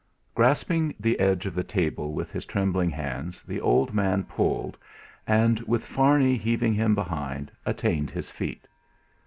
Grasping the edge of the table with his trembling hands, the old man pulled, and, with Farney heaving him behind, attained his feet.